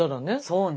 そうね。